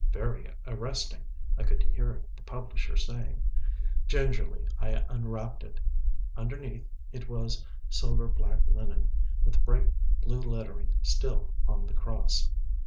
"Very arresting," I could hear the publisher saying. Gingerly I unwrapped it. Underneath, it was sober black linen, with bright blue lettering still on the cross.